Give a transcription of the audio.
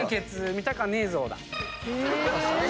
「見たかねぇぞ」だ。